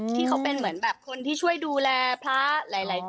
ที่เขาเป็นเหมือนแบบคนที่ช่วยดูแลพระหลายคน